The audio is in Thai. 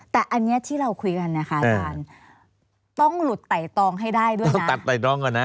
แต่อันนี้ที่เราคุยกันนะคะต้องหลุดไตรองให้ได้ด้วยนะ